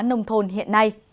nông thôn hiện nay